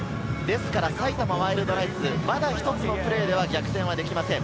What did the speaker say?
ですから埼玉ワイルドナイツ、まだ一つのプレーでは、逆転できません。